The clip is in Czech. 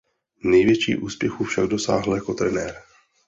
Největších úspěchů však dosáhl jako trenér.